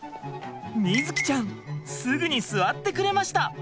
瑞己ちゃんすぐに座ってくれました！